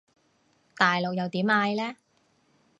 大陸又點嗌呢？